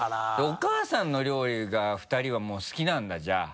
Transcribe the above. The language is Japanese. お母さんの料理が２人はもう好きなんだじゃあ。